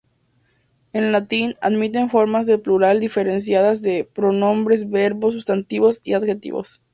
En latín admiten formas de plural diferenciadas los pronombres, verbos, sustantivos y adjetivos.